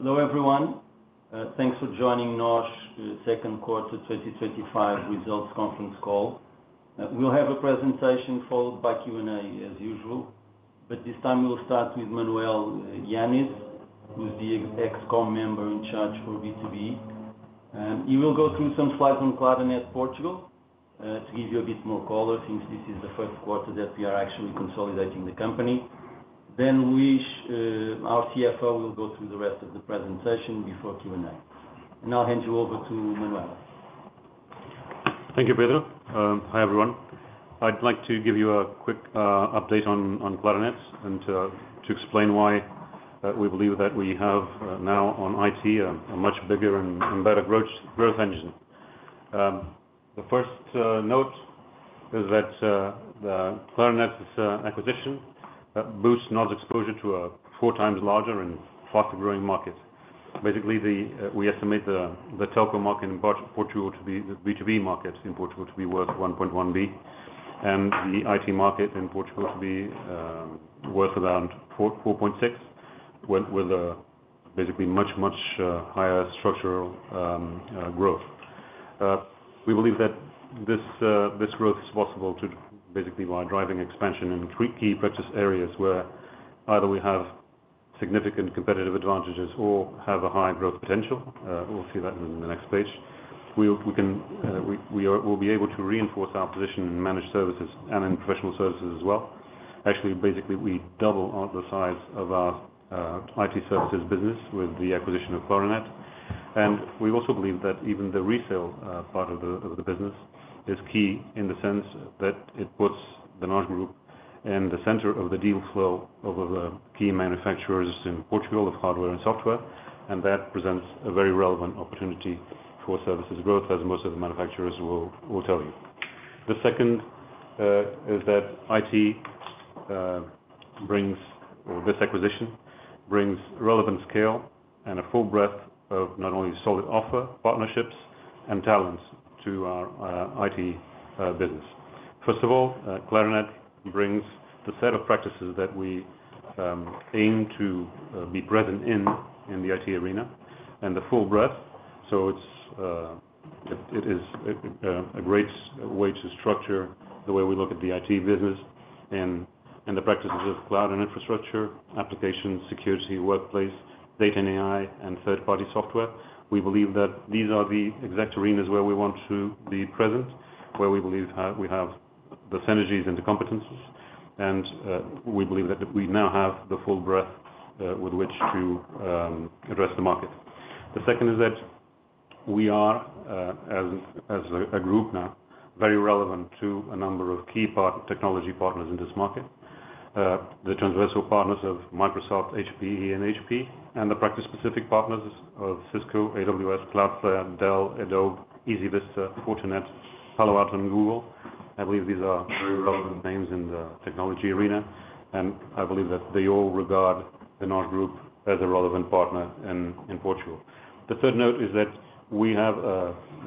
Hello, everyone. Thanks for joining NOSH Second Quarter twenty twenty five Results Conference Call. We'll have a presentation followed by Q and A as usual. But this time, we'll start with Manuel Ioannis, who's the ex co member in charge for B2B. And he will go through some slides on Cloudinet Portugal, to give you a bit more color since this is the first quarter that we are actually consolidating the company. Then we our CFO will go through the rest of the presentation before Q and A. And I'll hand you over to Manuel. Thank you, Pedro. Hi, everyone. I'd like to give you a quick update on Clarinets and to explain why we believe that we have now on IT a much bigger and better growth engine. The first note is that Clarinets acquisition that boosts NOS exposure to a four times larger and faster growing market. Basically, the we estimate the telco market in Portugal to be the B2B market in Portugal to be worth €1,100,000,000 and the IT market in Portugal to be worth around 4.6% with basically much, much higher structural growth. We believe that this growth is possible to basically while driving expansion in key purchase areas where either we have significant competitive advantages or have a high growth potential. We'll see that in the next page. We can we'll be able to reinforce our position in Managed services and in professional services as well. Actually, basically, we doubled the size of our IT services business with the acquisition of Clarinet. And we also believe that even the resale part of the business is key in the sense that it puts the Nord Group in the center of the deal flow over the key manufacturers in Portugal of hardware and software and that presents a very relevant opportunity for services growth as most of the manufacturers will tell you. The second is that IT brings or this acquisition brings relevant scale and a full breadth of not only solid offer, partnerships and talents to our IT business. First of all, Clarinet brings the set of practices that we aim to be present in the IT arena and the full breadth. So it is a great way to structure the way we look at the IT business and and the practices of cloud and infrastructure, application, security, workplace, data and AI, and third party software. We believe that these are the exact arenas where we want to be present, where we believe we have the synergies and the competencies. And we believe that we now have the full breadth with which to address the market. The second is that we are, as as a group now, very relevant to a number of key part technology partners in this market. The transversal partners of Microsoft, HPE, and HP, and the practice specific partners of Cisco, AWS, Cloudflare, Dell, Adobe, EasyVista, Fortinet, Palo Alto, and Google. I believe these are very relevant names in the technology arena, and I believe that they all regard Pinnant Group as a relevant partner in Portugal. The third note is that we have,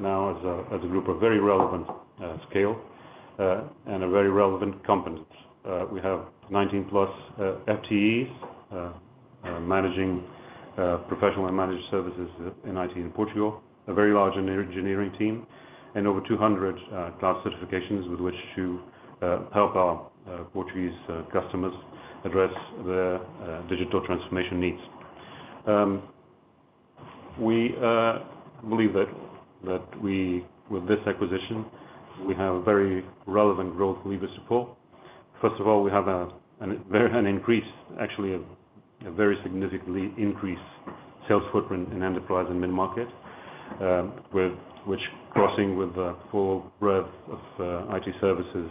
now as a group, a very relevant scale, and a very relevant competence. We have 19 plus FTEs managing professional and managed services in IT in Portugal, a very large engineering team and over 200 cloud certifications with which to help our Portuguese customers address their digital transformation needs. We believe that we with this acquisition, we have a very relevant growth lever support. First of all, we have an increase actually a very significantly increased sales footprint in enterprise and mid market, which crossing with full breadth of IT services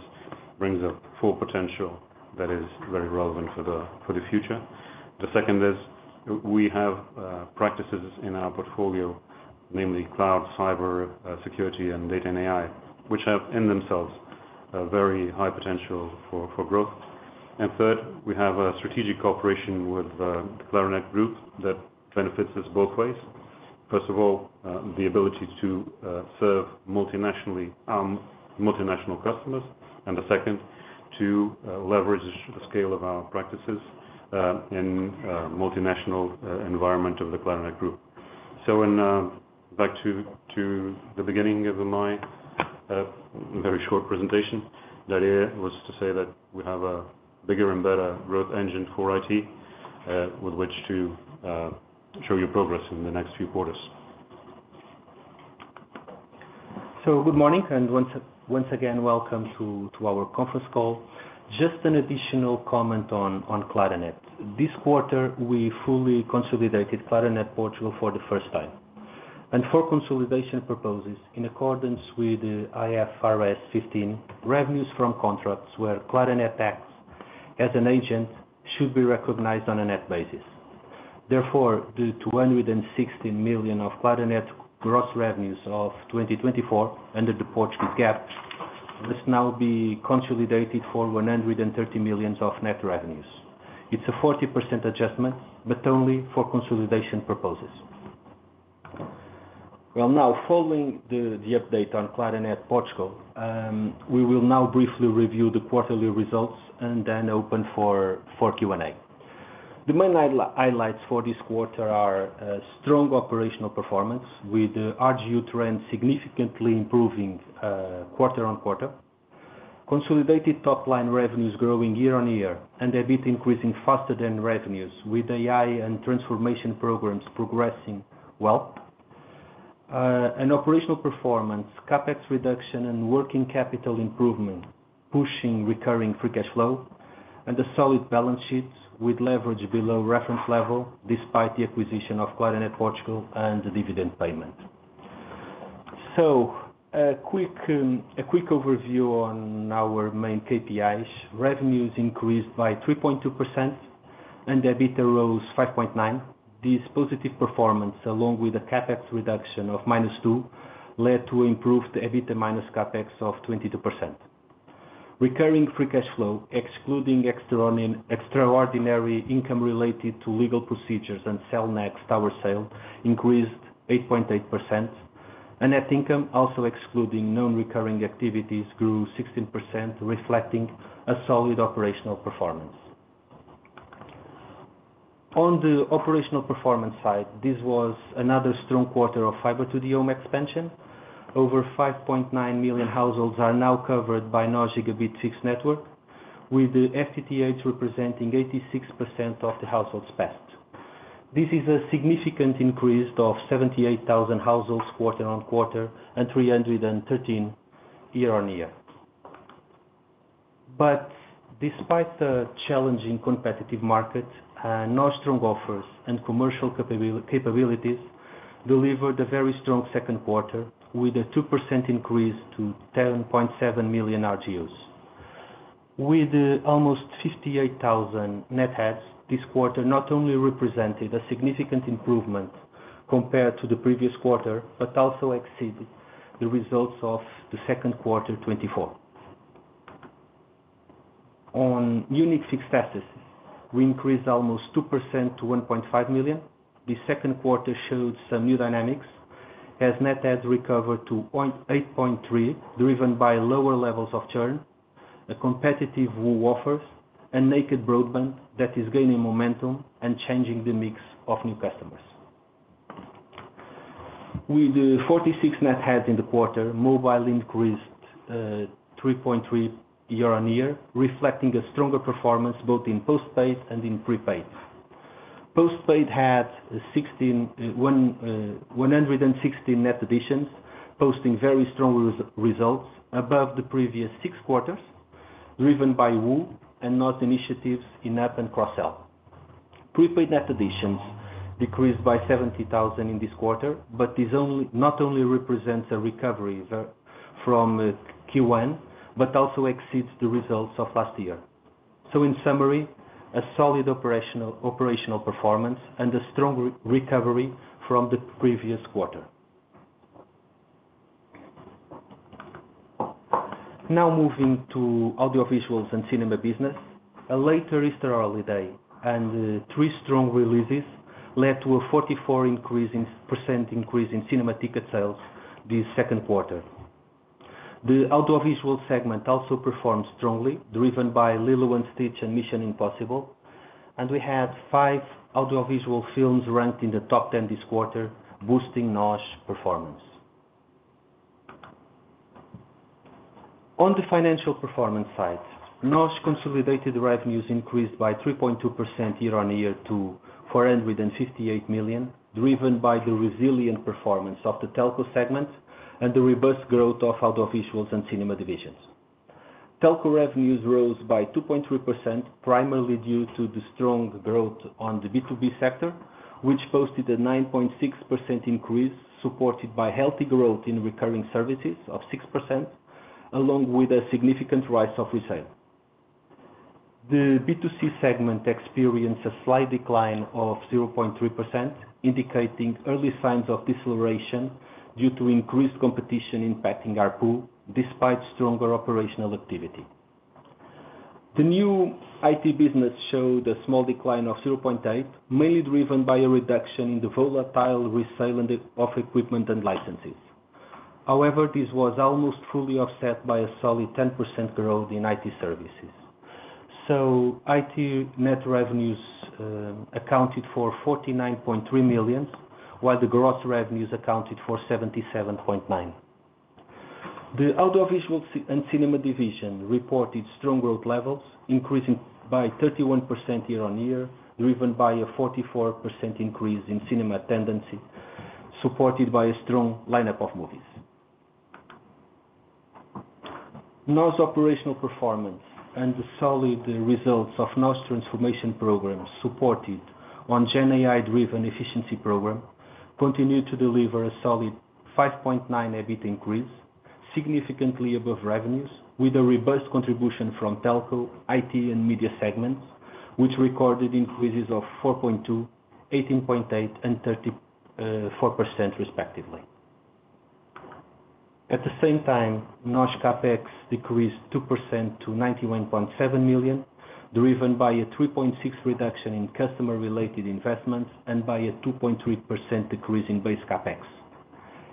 brings up full potential that is very relevant for the future. The second is we have practices in our portfolio, namely cloud, cyber security and data and AI, which have in themselves a very high potential for growth. And third, we have a strategic cooperation with Clarinet Group that benefits us both ways. First of all, the ability to serve customers. And the second, to leverage the scale of our practices in multinational environment of the Clarinet Group. So in back to the beginning of my very short presentation. Darriere was to say that we have a bigger and better growth engine for IT with which to show you progress in the next few quarters. So good morning, and once again, welcome to our conference call. Just an additional comment on Clarinet. This quarter, we fully consolidated Clarinet Portugal for the first time. And for consolidation purposes, in accordance with IFRS 15, revenues from contracts where Clarinet acts as an agent should be recognized on a net basis. Therefore, the EUR $216,000,000 of Clarinet gross revenues of 2024 under the Portuguese GAAP must now be consolidated for 130,000,000 of net revenues. It's a 40% adjustment, but only for consolidation purposes. Well, now following the update on Clarinet Portugal, we will now briefly review the quarterly results and then open for Q and A. The main highlights for this quarter are strong operational performance with RGU trends significantly improving quarter on quarter, consolidated top line revenues growing year on year and EBIT increasing faster than revenues with AI and transformation programs progressing well. And operational performance, CapEx reduction and working capital improvement, pushing recurring free cash flow and a solid balance sheet with leverage below reference level despite the acquisition of Clarinet Portugal and the dividend payment. So a quick overview on our main KPIs. Revenues increased by 3.2% and EBITDA rose 5.9 This positive performance along with a CapEx reduction of minus 2% led to improved EBITDA minus CapEx of 22%. Recurring free cash flow, excluding extraordinary income related to legal procedures and Cellnex tower sale increased 8.8%. And net income, also excluding nonrecurring activities, grew 16%, reflecting a solid operational performance. On the operational performance side, this was another strong quarter of fiber to the home expansion. Over 5,900,000 households are now covered by Nodzig a bit fixed network, with FTTH representing 86% of the households passed. This is a significant increase of 78,000 households quarter on quarter and three thirteen year on year. But despite the challenging competitive market, nor strong offers and commercial capabilities delivered a very strong second quarter with a 2% increase to 10,700,000 RGUs. With almost 58,000 net adds, this quarter not only represented a significant improvement compared to the previous quarter, but also exceeded the results of the second quarter twenty four. On unique fixed assets, we increased almost 2% to 1,500,000. The second quarter showed some new dynamics as net adds recovered to 8.3 driven by lower levels of churn, a competitive WU offers, and naked broadband that is gaining momentum and changing the mix of new customers. With 46 net heads in the quarter, mobile increased 3.3% year on year, reflecting a stronger performance both in postpaid and in prepaid. Postpaid had 116 net additions, posting very strong results above the previous six quarters, driven by Wu and not initiatives in app and cross sell. Prepaid net additions decreased by 70,000 in this quarter, but this only not only represents a recovery from Q1, but also exceeds the results of last year. So in summary, a solid operational performance and a strong recovery from the previous quarter. Now moving to audiovisuals and cinema business. A later Easter holiday and three strong releases led to a 44 increase in percent increase in cinema ticket sales this second quarter. The outdoor visual segment also performed strongly, driven by Lilo and Stitch and Mission Impossible, and we had five outdoor visual films ranked in the top 10 this quarter, boosting NOSH performance. On the financial performance side, NOSH consolidated revenues increased by 3.2% year on year to EUR $458,000,000, driven by the resilient performance of the Telco segment and the robust growth of Outofisuals and Cinema divisions. Telco revenues rose by 2.3%, primarily due to the strong growth on the B2B sector, which posted a 9.6% increase supported by healthy growth in recurring services of 6%, along with a significant rise of resale. The B2C segment experienced a slight decline of 0.3%, indicating early signs of deceleration due to increased competition impacting ARPU despite stronger operational activity. The new IT business showed a small decline of 0.8%, mainly driven by a reduction in the volatile resalind of equipment and licenses. However, this was almost fully offset by a solid 10% growth in IT services. So IT net revenues, accounted for 49,300,000.0, while the gross revenues accounted for 77.9. The Outdoor Visuals and Cinema division reported strong growth levels, increasing by 31% year on year, driven by a 44% increase in cinema tendency, supported by a strong lineup of movies. NOS operational performance and the solid results of NOS transformation program supported on Gen AI driven efficiency program continued to deliver a solid 5.9 EBIT increase, significantly above revenues with a robust contribution from telco, IT and media segments, which recorded increases of 4.2%, 18.834% respectively. At the same time, NOSH CapEx decreased 2% to €91,700,000 driven by a 3.6% reduction in customer related investments and by a 2.3% decrease in base CapEx.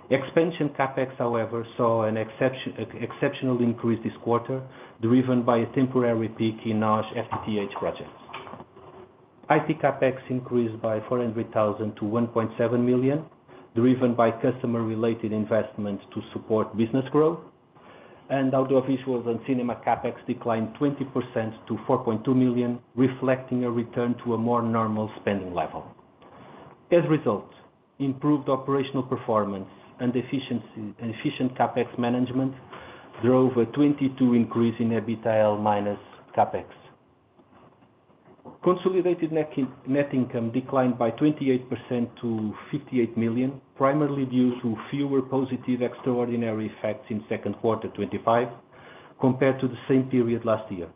Expansion CapEx, however, saw an exceptional increase this quarter, driven by a temporary peak in Nage FTTH projects. IP CapEx increased by €400,000 to 1,700,000.0 driven by customer related investments to support business growth. And Outdoor Visuals and Cinema CapEx declined 20 to 4,200,000.0, reflecting a return to a more normal spending level. As a result, improved operational performance and efficient CapEx management drove a 22% increase in EBITDA minus CapEx. Consolidated net income declined by 28% to 58,000,000, primarily due to fewer positive extraordinary effects in second quarter twenty twenty five compared to the same period last year.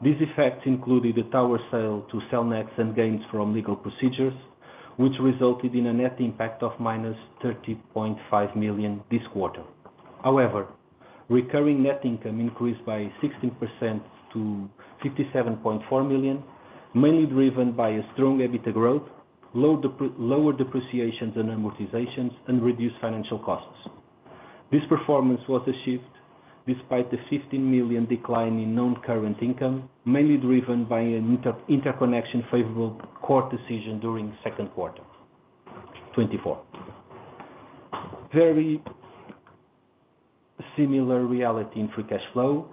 These effects included the tower sale to CELNATs and gains from legal procedures, which resulted in a net impact of minus 30,500,000.0 this quarter. However, recurring net income increased by 16% to 57,400,000.0, mainly driven by a strong EBITDA growth, lower depreciations and amortizations, and reduced financial costs. This performance was a shift despite the 15,000,000 decline in non current income, mainly driven by an interconnection favorable court decision during second quarter twenty four. Very similar reality in free cash flow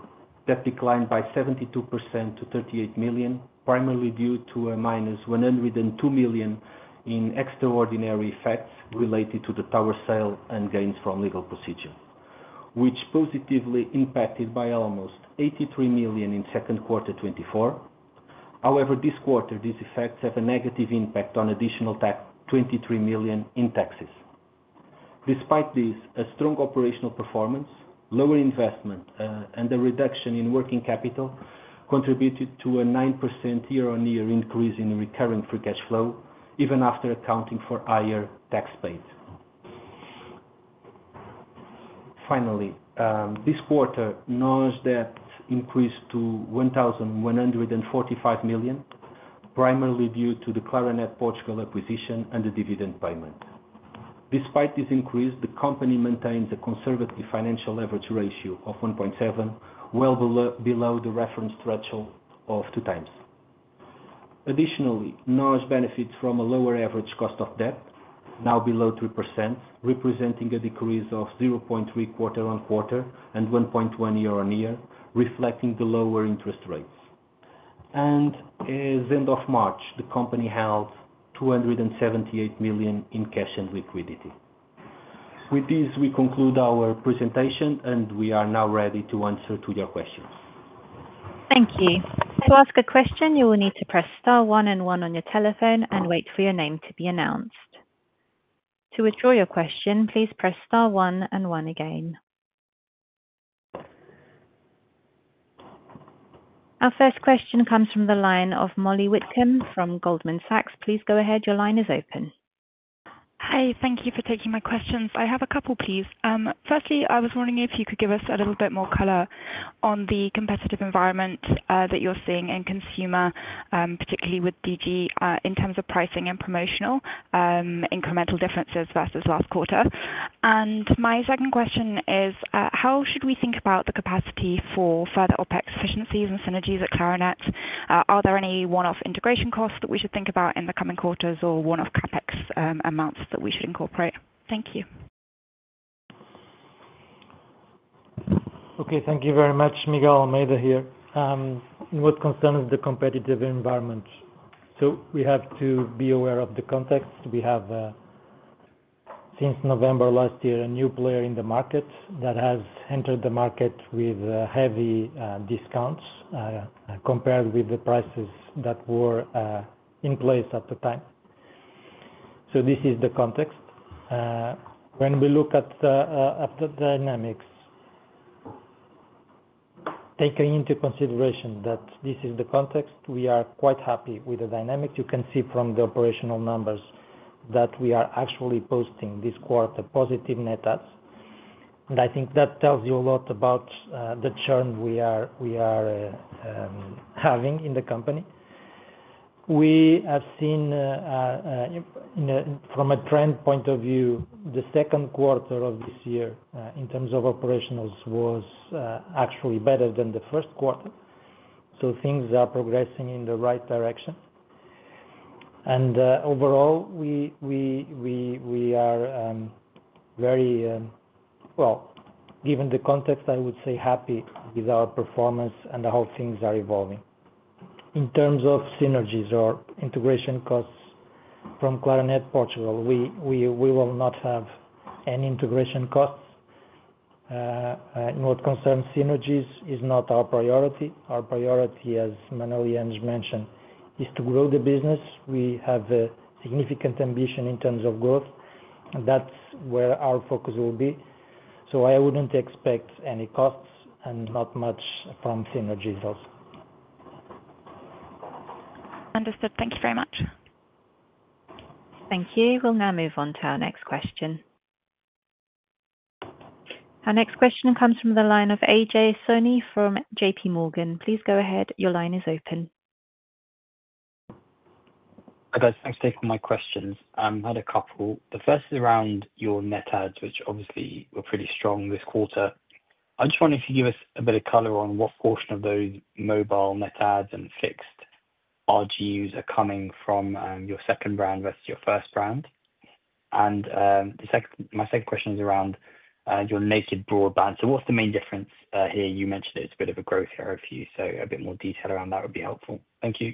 that declined by 72% to 38,000,000, primarily due to a minus 102,000,000 in extraordinary effects related to the tower sale and gains from legal procedure, which positively impacted by almost 83 million in second quarter twenty twenty four. However, this quarter, these effects have a negative impact on additional 23 million in taxes. Despite this, a strong operational performance, lower investment and the reduction in working capital contributed to a 9% year on year increase in recurring free cash flow, even after accounting for higher tax paid. Finally, this quarter, non cash debt increased to $1,145,000,000 euros primarily due to the Clarinet Portugal acquisition and the dividend payment. Despite this increase, the company maintains a conservative financial leverage ratio of 1.7, well below the reference threshold of two times. Additionally, Norge benefits from a lower average cost of debt, now below 3%, representing a decrease of 0.3 quarter on quarter and 1.1 year on year, reflecting the lower interest rates. And as March, the company held EUR $278,000,000 in cash and liquidity. With this, we conclude our presentation, and we are now ready to answer to your questions. Thank you. Our first question comes from the line of Molly Wittem from Goldman Sachs. Please go ahead. Your line is open. Hi, thank you for taking my questions. I have a couple, please. Firstly, I was wondering if you could give us a little bit more color on the competitive environment that you're seeing in Consumer, particularly with DG in terms of pricing and promotional incremental differences versus last quarter? And my second question is how should we think about the capacity for further OpEx efficiencies and synergies at Clarinets? Are there any one off integration costs that we should think about in the coming quarters or one off CapEx amounts that we should incorporate? Thank you. Okay. Thank you very much, Miguel. Almeida here. What concerns the competitive environment? So we have to be aware of the context. We have, since November, a new player in the market that has entered the market with heavy discounts compared with the prices that were in place at the time. So this is the context. When we look at dynamics, taking into consideration that this is the context, are quite happy with the dynamics. You can see from the operational numbers that we are actually posting this quarter positive net adds. And I think that tells you a lot about the churn we are having in the company. We have seen from a trend point of view, the second quarter of this year in terms of operational was actually better than the first quarter. So things are progressing in the right direction. And, overall, we are very well, given the context, I would say happy with our performance and how things are evolving. In terms of synergies or integration costs from Clarinet Portugal, we will not have any integration costs. No concerns, synergies is not our priority. Our priority, as Manoli and just mentioned, is to grow the business. We have a significant ambition in terms of growth, and that's where our focus will be. So I wouldn't expect any costs and not much from synergies also. Understood. Thank you very much. Thank you. We'll now move on to our next question. Our next question comes from the line of Ajay Soni from JPMorgan. Please go ahead. Your line is open. Hi, guys. Thanks for taking my questions. I had a couple. The first is around your net adds, which obviously were pretty strong this quarter. I'm just wondering if you could give us a bit of color on what portion of those mobile net adds and fixed RGUs are coming from your second brand versus your first brand? And the sec my second question is around your naked broadband. So what's the main difference here? You mentioned it's a bit of a growth here for you, so a bit more detail around that would be helpful. Thank you.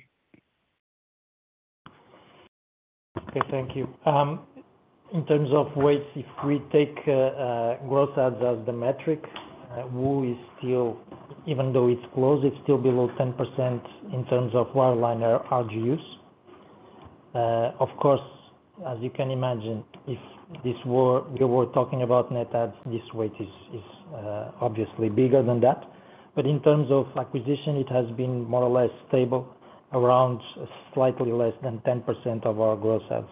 Okay. Thank you. In terms of weights, if we take gross adds as the metric, Wu is still even though it's close, it's still below 10% in terms of wireline RGUs. Of course, as you can imagine, if this were we were talking about net adds, this weight is obviously bigger than that. But in terms of acquisition, it has been more or less stable, around slightly less than 10% of our gross adds.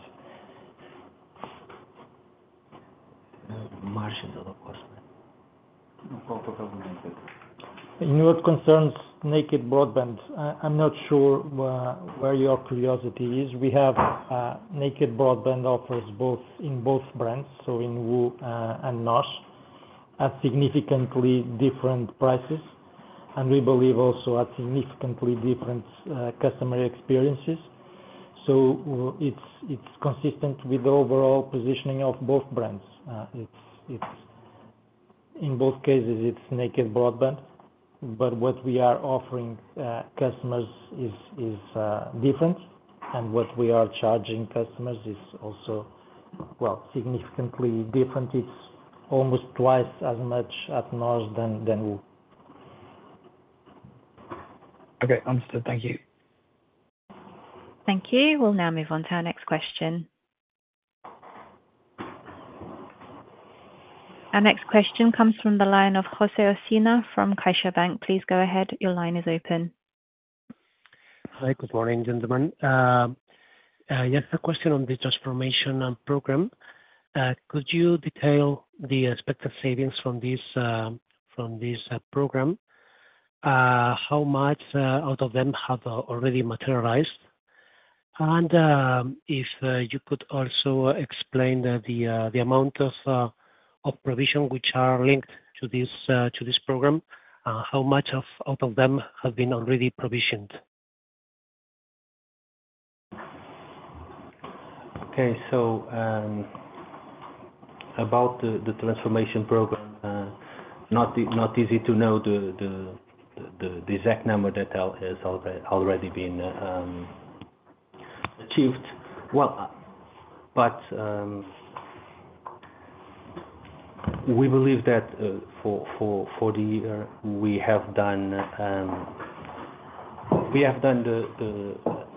In your concerns, naked broadband, I'm not sure where your curiosity is. We have naked broadband offers both in both brands, so in Wu and NOSH, at significantly different prices and we believe also at significantly different customer experiences. So it's consistent with the overall positioning of both brands. It's it's in both cases, it's naked broadband, but what we are offering, customers is is, different, and what we are charging customers is also, well, significantly different. It's almost twice as much at NOS than Wu. Okay. Understood. Thank you. Thank you. We'll now move on to our next question. Our next question comes from the line of Jose Ossina from CaixaBank. Please go ahead. Your line is open. Hi. Good morning, gentlemen. I just have a question on the transformation program. Could you detail the expected savings from this program? How much out of them have already materialized? And if you could also explain the the amount of of provision which are linked to this to this program, How much of them have been already provisioned? Okay. So about the transformation program, not easy to know the the exact number that has already been achieved. But we believe that for the year, we have done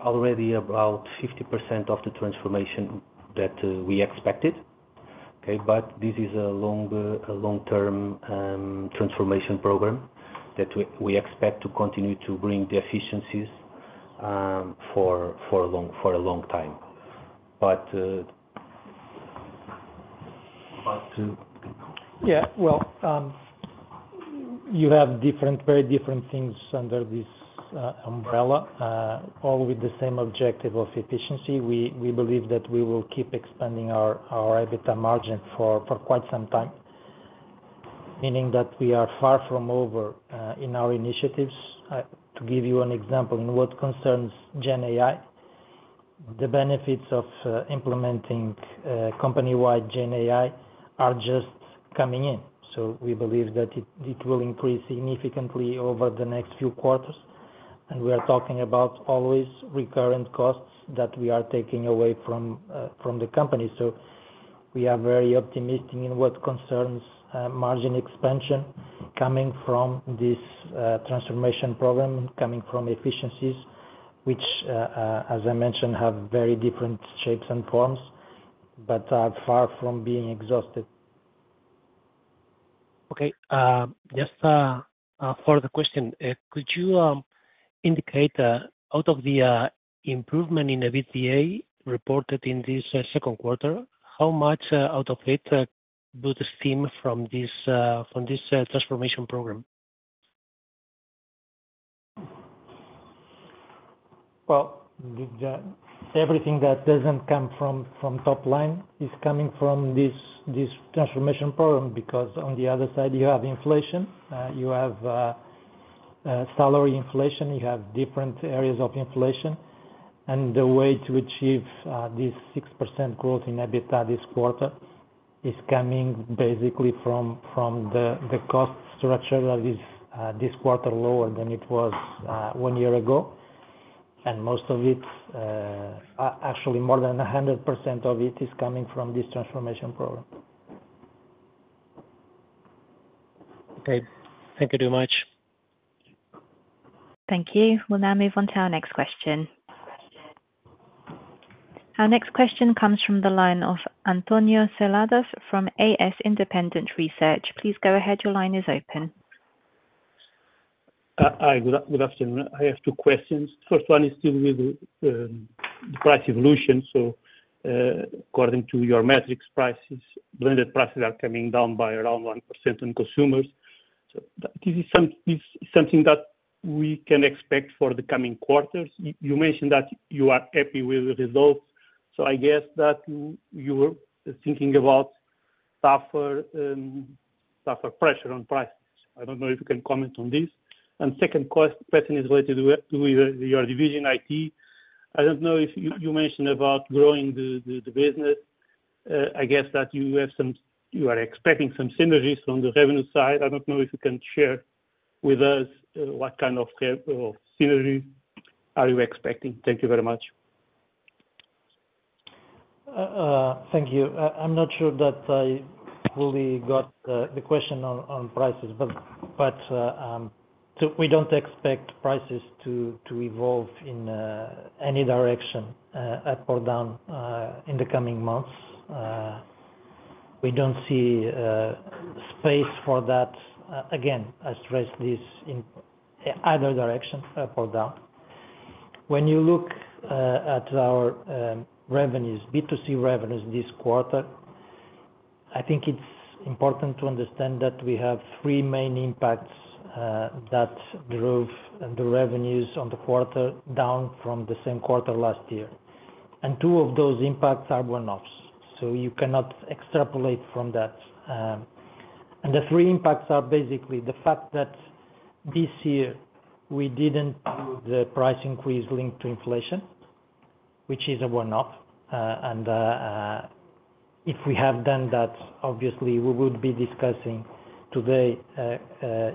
already about 50% of the transformation that we expected, But this is a long term transformation program that we expect to continue to bring the efficiencies for a long time. But about two? Yes. Well, you have different very different things under this umbrella, all with the same objective of efficiency. We believe that we will keep expanding our EBITDA margin for quite some time, meaning that we are far from over in our initiatives. To give you an example, in what concerns GenAI, the benefits of implementing company wide GenAI are just coming in. So we believe that it will increase significantly over the next few quarters. And we are talking about always recurrent costs that we are taking away from the company. So we are very optimistic in what concerns margin expansion coming from this transformation program, coming from efficiencies, which, as I mentioned, have very different shapes and forms, but are far from being exhausted. Okay. Just for the question, could you indicate out of the improvement in EBITDA reported in this second quarter, how much out of it boosts steam from this transformation program? Well, everything that doesn't come from from top line is coming from this this transformation program because on the other side, have inflation. You have salary inflation, you have different areas of inflation. And the way to achieve this 6% growth in EBITDA this quarter is coming basically from the cost structure that is this quarter lower than it was one year ago. And most of it actually, more than 100% of it is coming from this transformation program. Okay. Thank you very much. Thank you. We'll now move on to our next question. Our next question comes from the line of Antonio Saladas from AS Independent Research. Please go ahead. Your line is open. Hi. Good good afternoon. I have two questions. First one is still with the price evolution. So according to your metrics, prices, blended prices are coming down by around 1% on consumers. So this is something that we can expect for the coming quarters. You mentioned that you are happy with the results. So I guess that you were thinking about tougher pressure on prices. I don't know if you can comment on this. And second question is related to your division IT. I don't know if you mentioned about growing the business. I guess that you have some you are expecting some synergies from the revenue side. I don't know if you can share with us what kind of synergies are you expecting? Thank you very much. Thank you. I'm not sure that I fully got the question on prices, we don't expect prices to evolve in any direction, up or down, in the coming months. We don't see space for that. Again, I stress this in either direction, up or down. When you look at our revenues, B2C revenues this quarter, I think it's important to understand that we have three main impacts that drove the revenues on the quarter down from the same quarter last year. And two of those impacts are one offs, so you cannot extrapolate from that. And the three impacts are basically the fact that this year, we didn't do the price increase linked to inflation, which is a one off. And if we have done that, obviously, we would be discussing today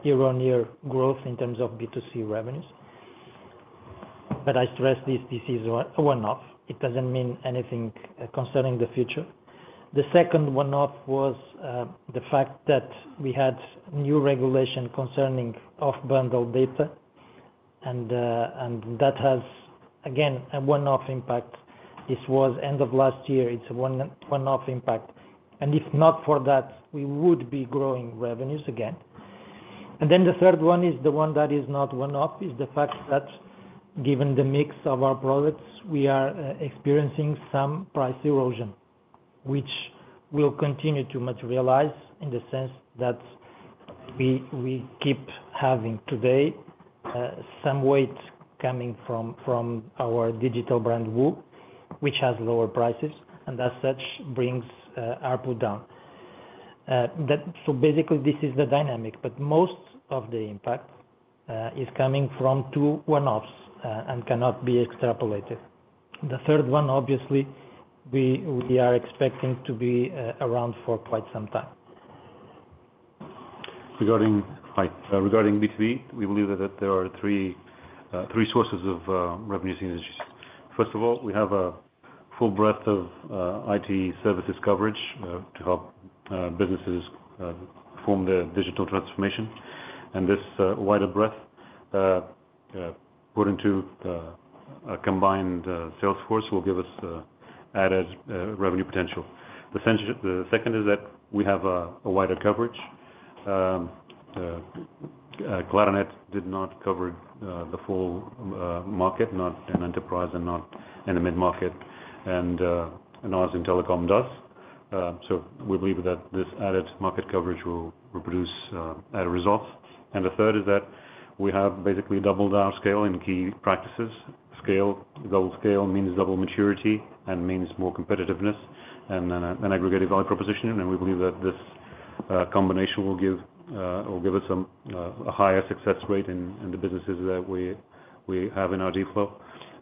year on year growth in terms of B2C revenues. But I stress this is a one off. It doesn't mean anything concerning the future. The second one off was the fact that we had new regulation concerning off bundle data, and that has, again, a one off impact. This was end of last year. It's a one off impact. And if not for that, we would be growing revenues again. And then the third one is the one that is not one off, is the fact that given the mix of our products, we are experiencing some price erosion, which will continue to materialize in the sense that we keep having today some weight coming from our digital brand Wu, which has lower prices and as such brings ARPU down. So basically, is the dynamic, but most of the impact is coming from two one offs and cannot be extrapolated. The third one, obviously, we are expecting to be around for quite some time. Regarding B2B, we believe that there are three sources of revenues synergies. First of all, we have a full breadth of IT services coverage to help businesses form their digital transformation. And this wider breadth put into a combined sales force will give us added revenue potential. The second is that we have a wider coverage. Clarinet did not cover the full market, not in enterprise and not in the mid market ours in telecom does. So we believe that this added market coverage will produce better results. And the third is that we have basically doubled our scale in key practices. Scale double scale means double maturity and means more competitiveness and an aggregated value proposition. And we believe that this combination will give us some higher success rate in the businesses that we have in our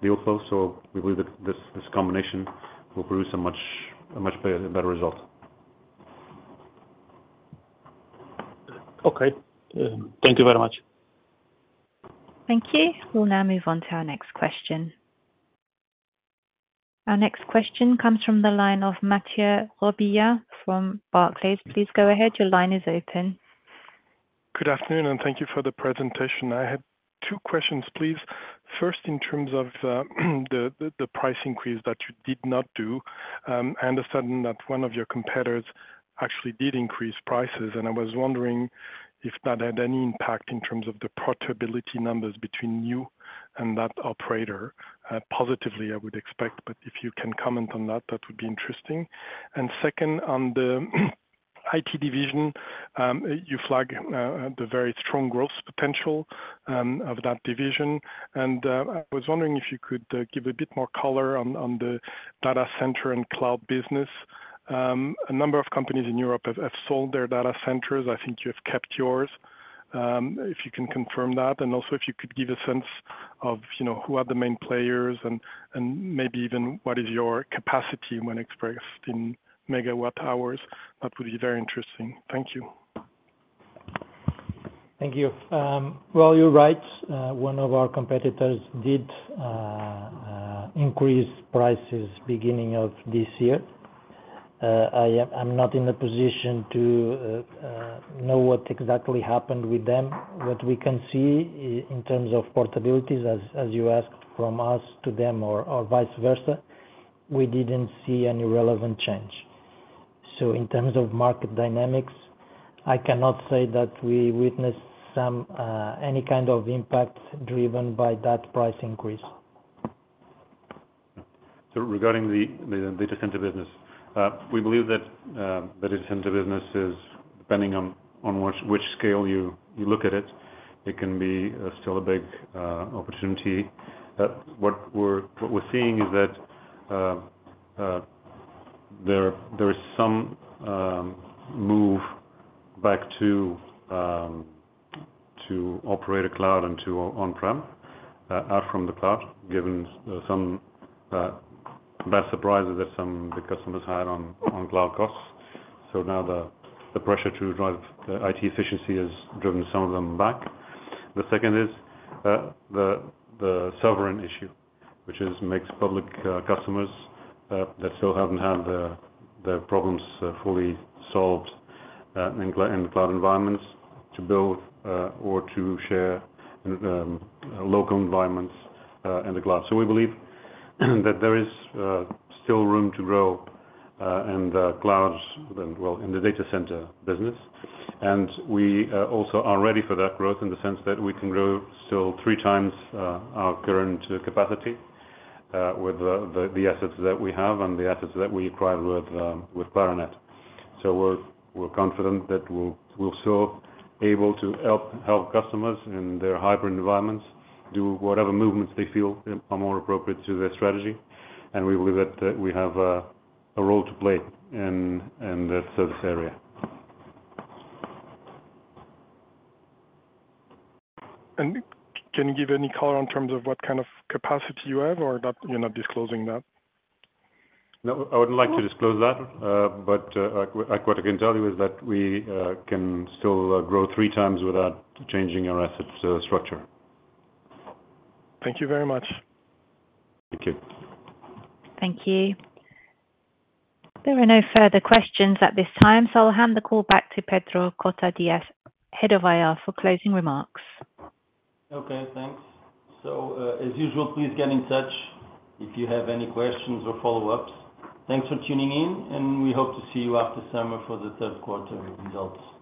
deal flow. So we believe that this combination will produce a much better result. Okay. Thank you very much. Thank you. We'll now move on to our next question. Our next question comes from the line of Mathieu Robillard from Barclays. Please go ahead. Your line is open. Good afternoon and thank you for the presentation. I had two questions, please. First, in terms of the price increase that you did not do. I understand that one of your competitors actually did increase prices, and I was wondering if that had any impact in terms of the profitability numbers between you and that operator. Positively, I would expect. But if you can comment on that, that would be interesting. And second, on the IT division, you flag the very strong growth potential of that division. And I was wondering if you could give a bit more color on the data center and cloud business. A number of companies in Europe have sold their data centers. I think you have kept yours. If you can confirm that. And also if you could give a sense of who are the main players and maybe even what is your capacity when expressed in megawatt hours? That would be very interesting. Thank you. Thank you. Well, you're right. One of our competitors did increase prices beginning of this year. I'm not in a position to know what exactly happened with them. What we can see in terms of portabilities, you asked from us to them or vice versa, we didn't see any relevant change. So in terms of market dynamics, I cannot say that we witnessed some any kind of impact driven by that price increase. So regarding the data center business, we believe that data center business is depending on which scale you look at it, it can be still a big opportunity. What we're what we're seeing is that there there is some move back to to operate a cloud and to on prem out from the cloud, given some best surprises that some the customers had on cloud costs. So now the pressure to drive IT efficiency has driven some of them back. The second is the the sovereign issue, which is mixed public customers that that still haven't had their their problems fully solved in in the cloud environments to build or to share local environments in the cloud. So we believe that there is still room to grow in the cloud well, in the data center business. And we also are ready for that growth in the sense that we can grow still three times our current capacity with the assets that we have and the assets that we acquired with Clarinet. So we're confident that we'll still able to help customers in their hybrid environments, do whatever movements they feel are more appropriate to their strategy, and we believe that we have a role to play in the service area. And can you give any color in terms of what kind of capacity you have? Or that you're not disclosing that? No. I wouldn't like But to disclose what I can tell you is that we can still grow 3x without changing our asset structure. Thank you very much. Thank you. Thank you. There are no further questions at this time. So I'll hand the call back to Pedro Cotadillas, Head of IR, for closing remarks. Okay. Thanks. So as usual, please get in touch if you have any questions or follow ups. Thanks for tuning in, and we hope to see you after summer for the third quarter results. Goodbye.